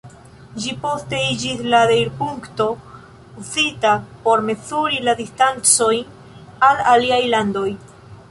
Ĝi poste iĝis la deirpunkto uzita por mezuri la distancojn al aliaj landoj.